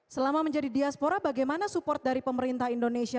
selama menjadi diaspora bagaimana support dari pemerintah indonesia